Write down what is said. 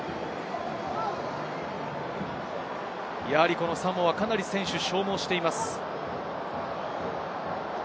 やはりサモア、かなり選手は消耗しています。